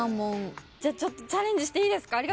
じゃあちょっとチャレンジしていいですか？